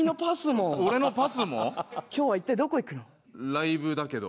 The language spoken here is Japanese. ライブだけど。